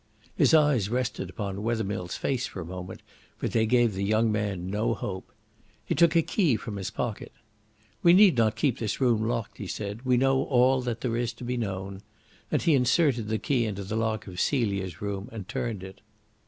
His eyes rested upon Wethermill's face for a moment, but they gave the young man no hope. He took a key from his pocket. "We need not keep this room locked," he said. "We know all that there is to be known." And he inserted the key into the lock of Celia's room and turned it.